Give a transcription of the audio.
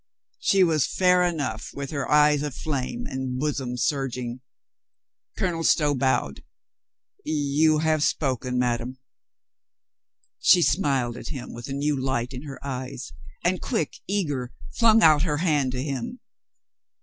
She was fair enough, with her eyes aflame and bosom surging. Colonel Stow bowed. "You have spoken, mad ame." She smiled at him, with a new light in her eyes and quick, eager, flung out her hand to him.